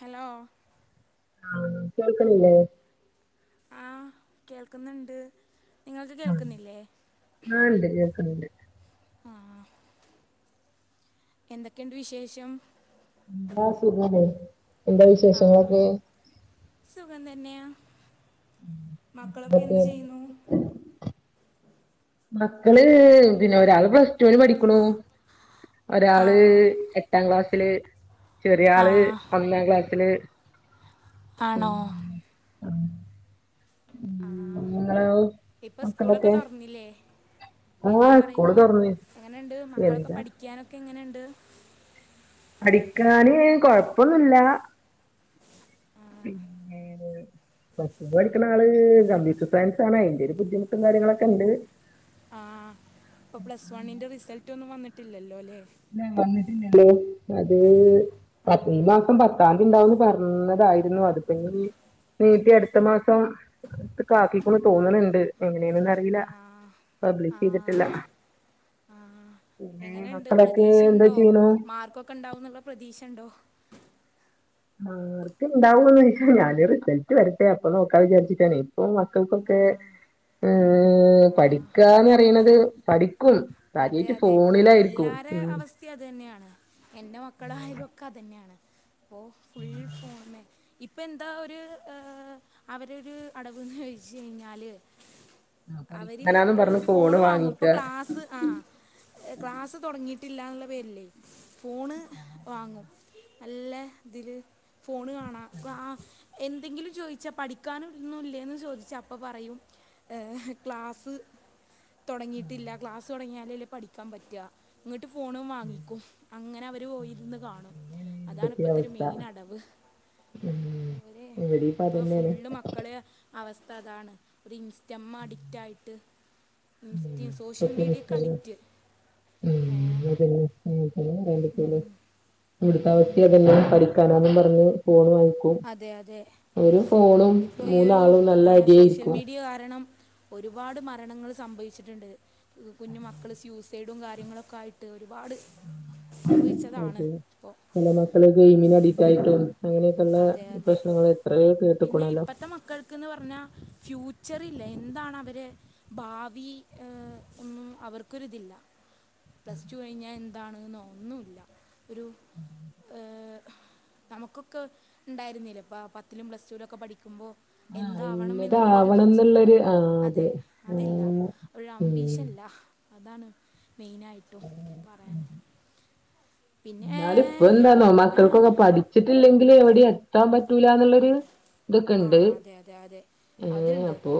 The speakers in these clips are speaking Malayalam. ഹലോ ആഹ കേൾക്കണില്ലേ ആഹ് കേൾക്കുന്നുണ്ട് നിങ്ങൾക്ക് ആഹ് കേൾക്കുന്നില്ലേ ആഹ് ഉണ്ട് കേൾക്കുന്നുണ്ട് ആഹ് എന്തൊക്കെയുണ്ട് വിശേഷം എന്താ സുഖല്ലേ എന്താ ആ വിശേഷങ്ങളൊക്കെ സുഖം തന്നെയാ മക്കളൊക്കെ എന്തൊക്കെ എന്ത് ചെയ്യുന്നു മക്കള് പിന്നെ ഒരാള് പ്ലസ് ടുവിന് പഠിക്കുണ് ആ ഒരാള് എട്ടാം ക്ലാസില് ചെറിയ ആ ആള് ഒന്നാം ക്ലാസ്സില് ഉം ആണോ ആ നിങ്ങളോ ഇപ്പൊ സ്കൂളൊക്കെ മക്കളൊക്കെ തുറന്നില്ലേ എന്ത് ആഹ് സ്കൂള് പറയുന്നു തൊറന്ന് എങ്ങനെയണ്ട് മക്കളൊക്കെ എന്താ പഠിക്കാനൊക്കെ എങ്ങനെയുണ്ട് പഠിക്കാന് കൊഴപ്പൊന്നില്ല പി പ്ലസ് ടു ൻ പഠിക്കുന്ന ആള് കമ്പ്യൂട്ടർ സയൻസ് ആണ് അയിന്റെ ഒരു ബുദ്ധിമുട്ടും കാര്യങ്ങളൊക്കെ ഉണ്ട് ആഹ് അപ്പോൾ പ്ലസ് വണ്ണിൻ്റെ റിസൾട്ട ഒന്നും വന്നിട്ടില്ലല്ലോ അല്ലേ ല്ല വന്നിട്ടില്ലല്ലോ അത് ആ ഈ മാസം പത്താംതി ഉണ്ടാവന്ന് പറഞ്ഞതായിരുന്നു അതിപ്പഞ് നീറ്റി അടുത്ത മാസം കാക്കിക്കൊന്ന് തോന്നണണ്ട് എങ്ങനെയന്നന്ന് അറിയില ആ ആ പബ്ലിഷ് ചെയ്തിട്ടില്ല ആ പിന്ന എങ്ങനെയുണ്ട് പ്രതീക്ഷ ഉണ്ടോ മാർക്കൊക്കെ ഉണ്ടാവന്നുള്ള പ്രതീക്ഷ ഉണ്ടോ ആഹ് ഉണ്ടാവന്ന് ചോദച്ചാൽ ഞാൻ റിസൾട്ട് വരട്ടെ അപ്പൊ നോക്കാൻ വിചാരിച്ചിട്ടാണ് ഇപ്പൊ ആ, മക്കൾക്കൊക്കെ ആ, പഠിക്കാന്ന് പറയണത് പഠി ക്കും കാര്യായിട്ട് ഫോണിലായിരിക്കും ഉം ത്തെ അത് തന്നെയാണ് എൻ്റെ മക്കളായാലും ഒക്കെ അത് തന്നെയാണ് പ്പോ ഫുൾ ഫോൺ ഇപ്പം എന്താ ഒരു അവര ഒരു അടവന്ന് ചോദിച്ച കഴിഞ്ഞാല് ആ അവര് പഠിക്കാനാന്നും പറഞ്ഞ് ഫോണ് വാങ്ങും വാങ്ങിക്ക ഇപ്പൊ ക്ലാസ് ആ ക്ലാസ് തുടങ്ങിയിട്ടില്ല എന്നുള്ള പേരില്ലേ ഫോണ് വാങ്ങും നല്ല ഇതില് ഫോണ് കാണാം ക്ലാ എന്തെങ്കിലും ചോദിച്ചാ പഠിക്കാനൊന്നും ഇല്ലേന്ന് ചോദിച്ചാ അപ്പ പറയും ഏഹ് ക്ലാസ്സ് തൊടങ്ങിയിട്ടില്ല ക്ലാസ്സ് തൊടങ്ങിയാലല്ലേ പഠിക്കാൻ പറ്റുക ഇങ്ങോട്ട് ഫോണും വാങ്ങിക്കും അങ്ങനെ അവര് പോയിരുന്ന് കാണും അങ്ങനെയാണ് അതാണ് ഇവിടത്തെ ഇപ്പഴത്തെ ഒരു അവസ്ഥ മെയിൻ അടവ് ഉം ഇവിടെയും ഇപ്പ ഇപ്പൊ അതന്നെയാണ് ഫുള്ള് മക്കള് അവസ്ഥ അതാണ് ഒരു ഇൻസ്റ്റമ്മ അഡിക്ക്റ്റായിട്ട് ഉം ഇൻസ്റ്റം സോഷ്യൽ മീഡിയ [unintelligible] ഇവിടുത്തെ അവസ്തേം അതെന്നെ പഠിക്കാനാന്നും പറഞ് ഫോണ് വാങ്ങിക്ക അതെ അതെ ഇപ്പൊ ഈ ഒരു മൂന്നാളും നല്ല സോഷ്യൽ അടിയായിരിക്കും മീഡിയ കാരണം ഒരുപാട് മരണങ്ങൾ സംഭവിച്ചിട്ടുണ്ട് കുഞ്ഞു മക്കൾ സ്യൂസ് സൈടും കാര്യങ്ങളൊക്കെ ആയിട്ട് ഒരുപാട് സംഭവിച്ചതാണ് അതെ ഇപ്പോൾ ചെല മക്കള് ഗെയ്മിന് അഡിക്റ്റായിട്ട് അങ്ങനെയൊക്കെയുള്ള അതെ പ്രശ്നങ്ങൾ എത്രയോ കേട്ടക്കണലോ കൾക്കന്ന് പറഞ്ഞാ ഫ്യൂച്ചർ ഇല്ല എന്താണ് അവരെ ഭാവി ഒന്നും അവർക്കൊരിതില്ല പ്ലസ് ടു കഴിഞ്ഞാ എന്താണ്ന്നൊ ഒന്നുമില്ല ഒരു ഏഹ് നമുക്ക് ക്ക് ഉണ്ടായിരുന്നില്ലേ ഇപ്പ പത്തിലും പ്ലസ്ടുലും ഒക്കെ പഠിക്കുമ്പോ ആഹ് എന്താ ആവണം എന്നുള്ളൊരു ഇന്നതാവണം ചിന്ത എന്നുള്ളൊരു ആഹ് അതെ അതില്ല ആഹ് ഒരു ഉം അംബീഷൻല്ല അതാണ് മെയിനായിട്ടും പറയാൻ പിന്നെ ഇപ്പൊ എന്താന്നോ മക്കൾക്കൊക്കെ ആ പഠിച്ചിട്ടില്ലെങ്കിൽ എവിടെയും എത്താൻ പറ്റൂല എന്നുള്ളൊരു ആ ഇതൊക്കെണ്ട് അതെ അതെ അതെ ഏഹ് അപ്പോ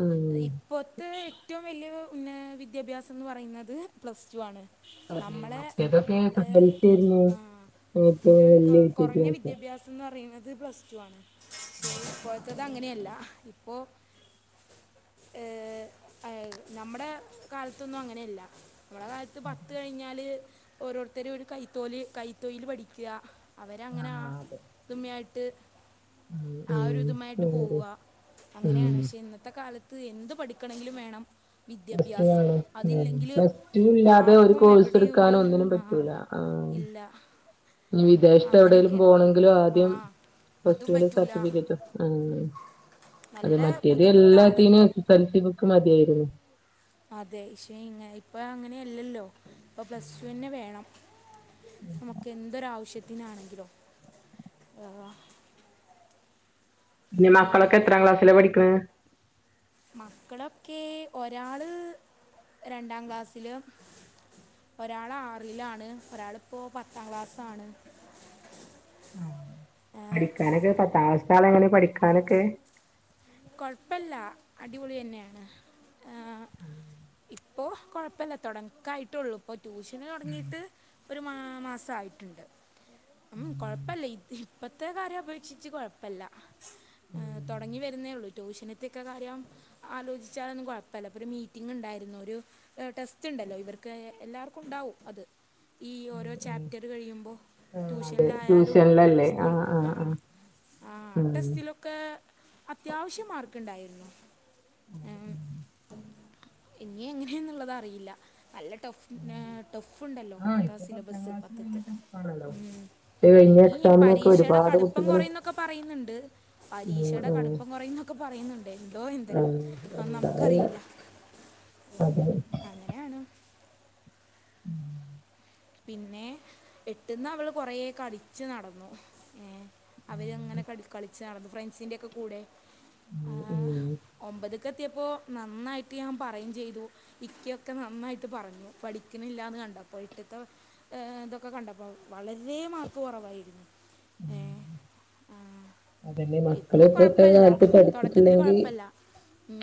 ഉം ഇപ്പോത്തെ ഏറ്റവും വലിയ ഉന്ന വിദ്യാഭ്യാസം എന്ന് പറയുന്നത് പ്ലസ് ടു ആണ് അവര് നമ്മളെ മറ്റേതൊക്കെ ഏഹ് എസസൽസിയായിരുന്നു ആഹ് ഏറ്റവും കൊറഞ്ഞ വിദ്യാഭ്യാസം എന്ന് പറയുന്നത് പ്ലസ് ടു ആണ് ഇപോത്തത് അങ്ങനെയല്ല ഇപ്പൊ ഏഹ് നമ്മുടെ കാലത്തൊന്നും അങ്ങനെയല്ല നമ്മള കാലത്ത് പത്ത് കഴിഞ്ഞാല് ഓരോരുത്തരും ഒരു കൈത്തോല് കൈതോയിൽ പഠിക്കുക അവരങ്ങനെ ആഹ് അതെ ആത്മയായിട്ട് ആഹ് ഒരു ഉം മായിട്ട് ഉം പോവ അങ്ങനെയാണ് പക്ഷെ ഇന്നത്തെ കാലത്ത് എന്ത് പഠിക്കണമെങ്കിലും വേണം പ്ലസ്ടു വിദ്യാഭ്യാസം വേണം ഉം അതില്ലെങ്കിൽ പ്ലസ്ടു ഇല്ലാതെ ഒരു ആർക്കും കോഴ്സ് എവിടെയും എടുക്കാന ഒരു, ഒന്നിനും ആ പറ്റൂല ആഹ് ഇല്ല ഇനി വിദേശത്ത് എവിടേങ്കിലും അങ്ങനെയൊക്കെയാണ് പോണോങ്കിലും ആ ആദ്യം അതും പ്ലസ്ടുന്റെ പറ്റൂല സർട്ടിഫിക്കറ്റ് ഉം അത് നല്ല മറ്റേത് ബുദ്ധിമുട്ടാണ് എല്ലാത്തിനും എസ്എസ്എൽസി ബുക്ക് മതിയായിരുന്നു അതെ ഇക്ഷെ ഇ ഇപ്പ അങ്ങനെ അല്ലല്ലോ ഇപ്പൊ പ്ലസ് ടു തന്നെ വേണം നമുക്ക് എന്തൊരാവശ്യത്തിനാണെങ്കിലോ ആഹ് പിന്നെ മക്കളൊക്കെ എത്രാം ക്ലാസ്സില പഠിക്കുന്നെ മക്കളൊക്കെ ഒരാള് രണ്ടാം ക്ലാസ്സില് ഒരാള് ആറിലാണ് ഒരാളിപ്പോ പത്താം ക്ലാസാണ് ആ പഠിക്കാനൊക്കെ പത്താകളസ സ്തേ ആൾ എങ്ങനെ പഠിക്കാനൊക്കെ കൊഴപ്പില്ല അടിപൊളി തന്നെയാണ് [inaudible] ഇപ്പൊ കൊഴപ്പില്ല തുടക്കായിട്ടള്ളു ഇപ്പൊ ട്യൂഷന് തുടങ്ങീയിട്ട് ഒരു മാ മാസമായിട്ടുണ്ട് അം കുഴപ്പമില്ല ഇത് ഇപ്പഴത്തെ കാര്യം അപേക്ഷിച്ച് കുഴപ്പമില്ല ഉം തുടങ്ങി വരുന്നേ ഉള്ളൂ ട്യൂഷനൊക്കെ കാര്യം ആലോചിച്ചാ കുഴപ്പല്ല ങ് ഉണ്ടായിരുന്നു ഒരു ടെസ്റ്റ് ഉണ്ടല്ലോ ഇവർക്ക് എല്ലാർക്കും ണ്ടാവും അത് ഈ ഉം ഓരോ ഉം ചാപ്റ്റർ കഴിയുമ്പോൾ ട്യൂഷനിലായാലും സ്കൂൾ ആ ഹ്ആഹ് ആഹ് ടെസ്റ്റിലൊക്കെ അത്യാവശ്യം മാർക്ക്ണ്ടായിരുന്നു ഉം ഇനിയെഎങ്ങനെയന്നുള്ളത് അറിയില്ല നല്ല ടഫ് ഉം ടഫ്ണ്ടല്ലോ അങ്ങനെ ആഹ് പത്താ ഇപ്പൊ പത്താം സിലബസ്സ് ക്ലാസ് നല്ല പത്ത്ത്തെ ടഫാണല്ലോ ഇത് കഴിഞ്ഞ ഇനി എക്സാമിനൊക്കെ പരീക്ഷയുടെ ഒരുപാട് കടുപ്പം കുട്ടികള് കുറന്നൊക്കെ പറയുന്നുണ്ട് ഉം പരീക്ഷയുടെ ഉം കടുപ്പം കുറയ്ന്നൊക്കെ ക്കെ പറയുന്നുണ്ട് എന്തോ എന്തരം ഉം എന്താല്ല നമുക്കറിയില്ല അതെ ഉഅങ്ങനെയാണ് ഉം പിന്നെ എട്ടന്ന് അവള് കൊറെ കളിച്ചു നടന്നു ഏ അവരങ്ങനെ കള കളിച്ച് നടന്ന ഫ്രണ്ട്സിന്റെക്കെ കൂടെ ഉം ഉം ഒമ്പത് ഒക്ക എത്തിയപ്പോൾ നന്നായിട്ട് ഞാൻ പറയുകയും ചെയ്തു ഇക്കൊക്കെ നന്നായിട്ട് പറഞ്ഞു പഠിക്കുണില്ലാന്ന് കണ്ടപ്പോ ഇത്തത്ത ഇതൊക്കെ കണ്ടപ്പോൾ വളരെ മാർക്ക് കുറവായിരുന്നു ഏ ആഹ് അതന്നെ ഇപ്പൊ മക്കള് ഇപ്പത്തെ കൊഴപ്പല്ല കാലത്ത് തുടക്കത്തില് കൊ പഠിച്ചിട്ടില്ലെങ്കി ഴപ്പല്ല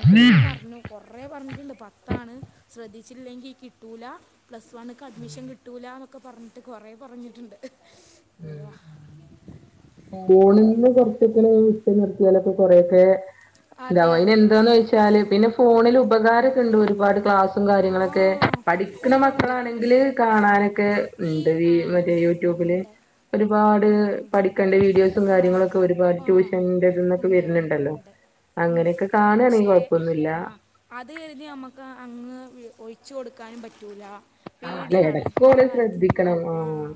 ഇപ്പം ഞാൻ പറഞ്ഞു കുറേ പറഞ്ഞിട്ടുണ്ട് പത്താണ് ശ്രദ്ധിച്ചില്ലെങ്കിൽ കിട്ടൂല പ്ലസ് വണ്ണക്ക് അഡ്മിഷൻ കിട്ടൂലന്നൊക്കെ പറഞ്ഞിട്ട് കൊറെ പറഞ്ഞിട്ടുണ്ട് വാ കൊളിൽ നിന്ന് കുറച്ചൊക്കെ ഉച്ച നിർത്തിയാലൊക്കെ കൊറെൊക്കെ അതെ ഇണ്ടവും അയ്ന് അതെ എന്താന്ന് ചോയ്ച്ചാല് ഉം, പിന്നെ ഫോണിൽ ഉപകാരൊക്കെ ഉണ്ടോ ഒരുപാട് ക്ലാസ് ആ ആ, കാര്യങ്ങളൊക്കെ പഠിക്കുന്ന ഉണ്ട് ഉണ്ട് മക്കളാണെങ്കിൽ കാണാനൊക്കെ ഉണ്ട് ഈ മറ്റെ യു ആഹ് ഇണ്ട ഒരുപാട് പഠിക്കേണ്ട വീഡിയോസും ആ കാര്യങ്ങളുംക്കെ ഒരുപാട് ആ ട്യൂഷന്റെതന്നൊക്കെ ഉണ്ട് ഉണ്ട് വരുന്നുണ്ടല്ലോ ഉണ്ട് ഉണ്ട് അങ്ങനെയൊക്കെ കാണുണെ പക്ഷേ കൊഴപ്പൊന്നുമില്ല ആ അത് കരുതി നമ്മുക്ക് അങ്ങ് ഒഴിച്ചു കൊടുക്കാനും പറ്റൂല ആല്ല പേടിയാണ് ഇടക്ക് ഇന്നത്തെ ഓലെ കാലത്ത് ശ്രദ്ധിക്കണം ആ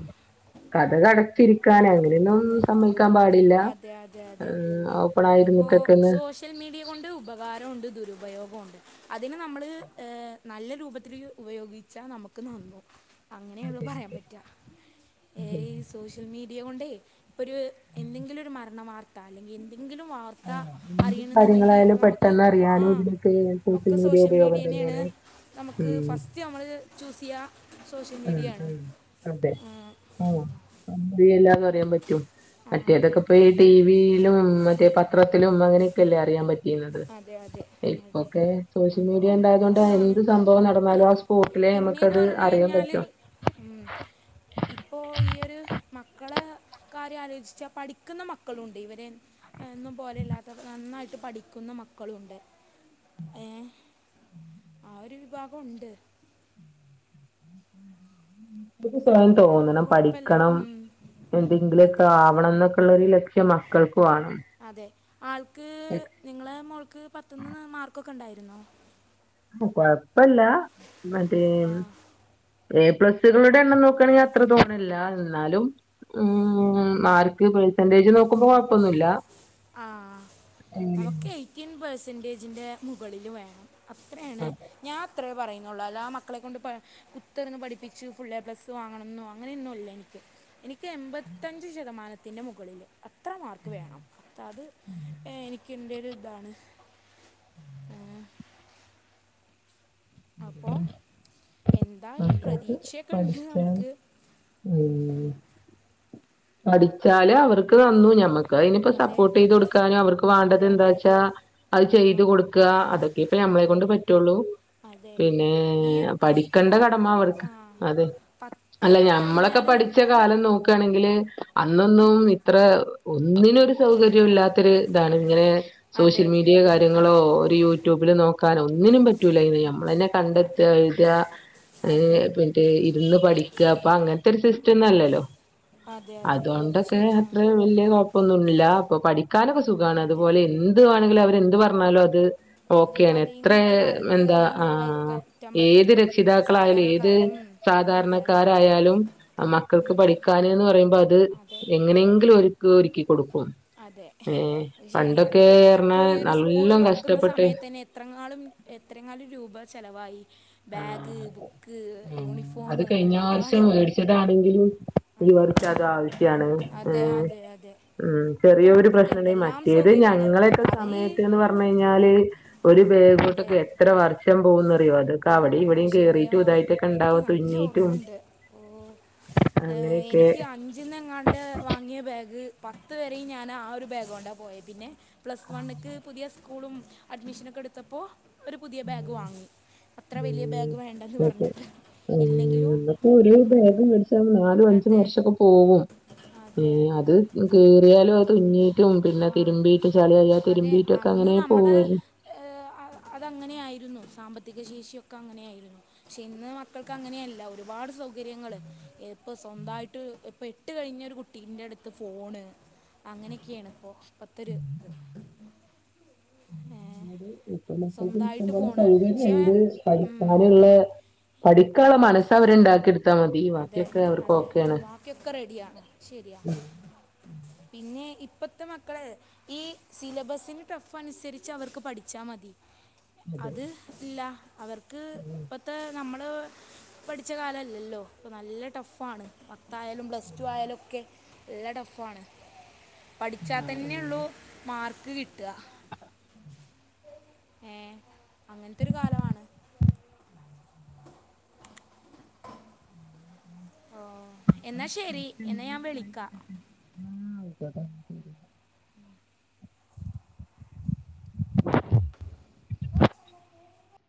കതകട ചിരിക്കാന് അങ്ങനെയൊന്നും അതെ സമ്മക്കാൻ പാടില്ല അതെ അതെ അതെ ഓപ്പൺ ഇപ്പോൾ ആയിരുന്നിട്ടൊക്കെന്ന് സോഷ്യൽ മീഡിയ കൊണ്ട് ഉപകാരമുണ്ട് ദുരുപയോഗ ഉണ്ട് അതിന് നമ്മൾ നല്ല രൂപത്തിൽ ഉപയോഗിച്ചാൽ നമുക്ക് നന്നു അങ്ങനെയുള്ള അതെ പറയാൻ പറ്റുക അതെ ഉം. സോഷ്യൽ മീഡിയ കൊണ്ടേ ഇപ്പ ഒരു എന്തെങ്കിലും ഒരു മരണ വാർത്ത അല്ലെങ്കിൽ എന്തെങ്കിലും ഒരു വാർത്ത ആഹ് എന്ത് അറിയണം ന്നുണ്ടെങ്കിൽ കാര്യങ്ങളായാലും നമുക്ക് പെട്ടെന്ന് അറിയാനും ആഹ് ഇതിനൊക്കെ ഒക്കെ സോഷ്യൽ ഉപയോഗം മീഡിയ ത ന്നെയാണ് തന്നെയാണ്. നമുക്ക് ഉം ഫസ്റ്റ് നമ്മള് ചൂസ് ചെയ്യാ സോഷ്യൽ മീഡിയ ഉം ആണ് ഉം അതെ. ആഹ് നമ്മടെ എല്ലാന്ന് പറയാൻ പറ്റോ ആ, അതെ മറ്റേതൊക്കെ പ അതെ ടി വി യിലും മറ്റേ പത്രത്തിലും അങ്ങനെയൊക്കെല്ലേ അറിയാൻ പ റ്റുന്നത് അതെ അതെ അതെ ഇപ്പൊക്കെ സോഷ്യൽ അപ്പോൾ മീഡിയ ഉണ്ടായത കൊണ്ട് അതാണ് എന്ത് സംഭവം നടന്നാലും ആഹ് സ്പോട്ടില് നമുക്കത് അറിയാൻ പ ഉ ഇപ്പോ ഈ ഒരു മക്കളെ കാര്യം ആലോചിച്ചാൽ പഠിക്കുന്ന മക്കളുണ്ട് ഇവരെ ഒന്നും പോലെയ ഇല്ലാത്ത നന്നായിട്ട് പഠിക്ക നിക്കുന്ന മക്കളുണ്ട് ഏ ആ ഒരു വിഭാഗുണ്ട് എ സ്വയം എന്തായാലും തോന്നണം ഇപ്പോൾ കുഴപ്പമില്ല പഠിക്കണം ഉം. എന്തെങ്കിലുമൊക്കെ അതെ ആവണം എന്നൊക്കെള്ള ഒരു ലക്ഷ്യം മക്കൾക്ക് വേണം അതെ ആൾക്ക് നിങ്ങളെ മോൾക്ക് പത്തൊന്ന് മാർക്ക്ക്കെ ഉണ്ടായിരുന്നോ കൊഴപ്പല്ല മറ്റേ ആ എ പ്ലസുകളുടെ എണ്ണം നോക്കുകയാണെങ്കിൽ അത്ര തോനെല്ല എന്നാലും ഉം മാർക്ക് ഇബൽ- പെന്റേജ് നോക്കുമ്പോ കൊഴപ്പൊന്നുല്ല [unintelligible] പേയ്സെന്റേജിന്റെ മുകളില് വേണം. അത്രേണ് അതെ ഞാൻ അത്രേ പറയുന്നുള്ളു. അല്ലാ ആ മക്കളെ കൊണ്ട് പ കുത്തർന്ന് പഠിപ്പിച്ച് ഫുള്ളേപ്ലസ്സ് വാങ്ങണം ഇന്നോ അങ്ങനെയൊന്നുല്ല എനിക്ക്. എനിക്ക് എൺമ്പത്തഞ്ച് ശതമാനത്തിന്റെ മുകളില്. അത്ര മാർക്ക് വേണം തത് എനി എനിക്ക് ഇന്റെ ഒരു ഇതാണ് ഏഹ് അപ്പോ എന്തായാലും മക്കൾക്ക് പ്രതീക്ഷയൊക്കെ ഇണ്ട് പഠിക്കാൻ നമുക്ക് ഉം പഠിച്ചാല് അവർക് ആ, തന്നു ഞമ്മക്ക് അതിനിപ്പ അതെ സപ്പോർട്ട് ചെയ്ത് കൊടുക്കാനും അവർക്ക് വാണ്ടത് അതെ അതെ എന്താച്ചാ അത് ആ, ചെയ്ത് കൊടുക്ക. അതൊക്കെ ഇപ്പ ഞമ്മളെ കൊണ്ട് അതെ പറ്റൊള്ളു. അതെ പിന്നേ ഈ ഒരു പ്ലസ് ടു പഠിക്കണ്ട കടമ അവർക്ക് ആ അതെ പത്ത് അല്ല ഞമ്മളൊക്കെ കഴിഞ്ഞാൽ പഠിച്ച കാലം നോക്കാണെങ്കില് അന്നൊന്നും ഇത്ര ഒന്നിനും ഒരു സൗകര്യം ഇല്ലാത്തൊരു ഇതാണ്. ഇങ്ങനെ സോഷ്യൽ അതെ മീഡിയ കാ കാര്യങ്ങളോ ഒരു യൂട്യൂബില് നോക്കാനൊ ഒന്നിനും പറ്റൂല. അയ്നു നമ്മളെന്നെ കണ്ടെത്ത എഴുത. അതെ അത് മറ്റേ ഇരുന്ന് പഠിക്ക ഇപ്പൊ അങ്ങനത്തെ ഒരു സിസ്റ്റം ഒന്നല്ലല്ലോ. അതെ അതെ അത് അതൊണ്ടൊക്കെ ശരിയാണ് അത്രേ വല്യ കൊഴപ്പൊന്നുല്ല. അപ്പൊ പഠിക്കാനൊക്കെ സുഖാണ്. അതെ അതുപോലെ എന്ത് തു ആണെങ്കിൽ അവര് എന്ത് പറഞ്ഞാലു അത്. ഓക്കേണ്. അതെ എത്ര ഇന്നത്തെ കാലത്ത് എന്താ അത് ആ നിർവഹിക്കാൻ ഏത് പറ്റും രക്ഷിതാക്കളായാലും സാധാരണക്കാരൻ ഏത്- ഉം, അതെ അതെ സാധാരണക്കാരായാലും മക്കക്ക് പഠിക്കാന് ന്ന് പറയുമ്പ അത് അതെ എങ്ങനെങ്കിലും ഓല്ക്ക്‌ ഒരുക്കി കൊടുക്കും. അതെ ഏഹ് ശരിയാണ്. പണ്ടൊക്കെ പറഞ്ഞാ ഇപ്പോ ഈ ഒരു സ്കൂള് നല്ലോം തൊറക്കുന്ന കഷ്ടപ്പെട്ട് സമയത്ത് തന്നെ എത്രങ്ങാളും എത്രങ്ങാനും രൂപ ചെലവായി. ബാഗ് ആഹ് ബുക്ക് അതെ യൂണിഫോം അങ്ങനെ ഒരുപാട് ഇതാണെങ്കിലും ഈ അതെ വർഷം അതാവശ്യാണ് അതെ ഏഹ് അതെ അതെ ഉം ഇപ്പോഴത്തെ ചെറിയൊരു മക്കൾക്ക് പ്രശ്നണ്ടങ്കി എന്തെല്ലാം മറ്റേത് സൗകര്യമാണ് ഞങ്ങളെക്കൊ അവർ സമയത്ത്ന്ന് പറ കഴിഞ്ഞാല് ഒരു അതെ ബേഗോണ്ടൊക്കെ എത്ര വർഷം പോകുന്നറിയോ അത്. ഓ ക്കവിടിം ഇവിടിം ശരിയാ കീറീട്ടും ഇതായിട്ടൊക്കെ എനിക്ക് ഇണ്ടാവും നല്ല തുന്നിയിട്ടും. ഓർമ്മയുണ്ട് ഓ എനിക്ക് അഞ്ച്ന്നെങ്ങാണ്ട് വാങ്ങിയ ബേഗ്. പത്ത് വരെയും ഞാനാ ആ ഒരു ബാഗ് കൊണ്ടാ പോയെ പിന്നെ. പ്ലസ് വണ്ണിക്ക് പുതിയ സ്കൂളും. അഡ്മിഷനൊക്കെ ഇട്ടുത്തപ്പോ ഒരു പുതിയ ബേഗ് വാങ്ങി. അത്ര വലിയ ബാഗ് വേണ്ടെന്ന് പറഞ്ഞിട്ട്. ഏഹ് ഇല്ലെങ്കിലും ഇന്നട്ട് ഒരു ബേഗ് മേടിച്ച നാലും അഞ്ച് അതെ വർഷൊക്കെ പോവൊ. അതെ ഏഹ് അതെ അത് കീറിയാലും അത് തുന്നീട്ടും പിന്നെ ആ തിരുമ്പീട്ട് ചളിയായാൽ അതെ തിരുമ്പിട്ട് ട്ടൊക്കെ അന്ന് അങ്ങനെ നമ്മളെ പോവല്. ഏഹ് അതങ്ങനെ ആയിരുന്നു. സാമ്പത്തിക ശേഷിയൊക്കെ അങ്ങനെയായിരുന്നു. പക്ഷെ ഇന്ന് മക്കൾക്ക് അങ്ങനെയല്ല. ഒരുപാട് സൗകര്യങ്ങള് ഇപ്പൊ സ്വന്തായിട്ട് ഇപ്പൊ എട്ട് കഴിഞ്ഞ ഒരു കുട്ടീന്റെ അടുത്ത് ഫോണ്. അങ്ങനൊക്കേണ് ഇപ്പോ ഇപ്പത്തൊരു ഇത്. ഏഹ്, ഇപ്പോ മക്കൾക്ക് സ്വന്തമായിട്ട് ഇഷ്ടംപോലെ ഫോണ് പക്ഷേ സൗകര്യുണ്ട് ഉം, പഠിക്കാന്ള്ളെ പഠിക്കാള്ള മനസ്സ് അവര് ഇണ്ടാക്കി ഇട്ത്താ മതി. അതെ ബാക്കിയൊക്കെ അവർക്ക് അതെ. ഓക്കെയാണ് വാക്ക്യാെക്കെ റെഡിയാണ് ശെരിയ പിന്നെ ഇപ്പത്തെ മക്കള്. ഈ സിലബസിന് ടഫ് അനുസരിച്ച് അവർക്ക് പഠിച്ചാ മതി. അതെ അത് ഇല്ല. അവർക്ക് ഇപ്പത്തെ നമ്മള് പഠിച്ച കാലല്ലല്ലോ ഇപ്പോ നല്ല ടഫാണ് പത്തായാലും പ്ലസ് ടു ആയാലും ഒക്കെ നല്ല ടഫാണ് പഠിച്ചാ ആഹ് തന്നെ ആഹ് ഉള്ളൂ മാർക്ക് കിട്ടുക ഏ. അങ്ങനത്തെരു കാലമാണ് ഓ എന്നാ ശരി എന്നാ ഞാൻ വിളിക്കാം [inaudible] ആ